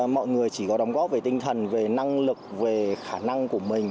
mọi người chỉ có đóng góp về tinh thần về năng lực về khả năng của mình